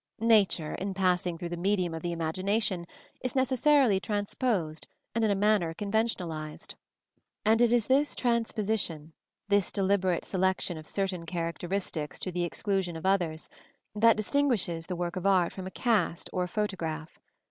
Nature, in passing through the medium of the imagination, is necessarily transposed and in a manner conventionalized; and it is this transposition, this deliberate selection of certain characteristics to the exclusion of others, that distinguishes the work of art from a cast or a photograph.